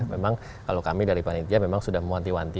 memang kalau kami dari panitia memang sudah memuanti muanti